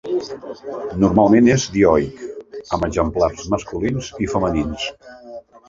Normalment és dioic, amb exemplars masculins i femenins.